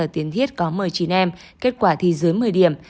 tiến thiết có một mươi chín em kết quả thi dưới một mươi điểm